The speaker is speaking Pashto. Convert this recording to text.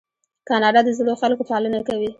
کاناډا د زړو خلکو پالنه کوي.